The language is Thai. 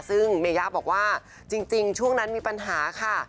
ซึ่งเมยะบอกว่าจริงช่วงนั้นมีปัญหาค่ะ